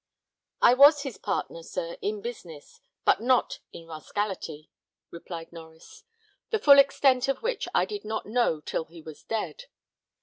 "I was his partner, sir, in business, but not in rascality," replied Norries, "the full extent of which I did not know till he was dead.